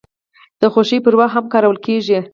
د خوښۍ پر وخت هم کارول کیږي.